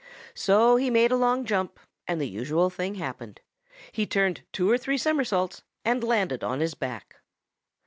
So he made a long jump, and the usual thing happened he turned two or three somersaults and landed on his back.